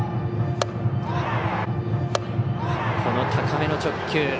この高めの直球。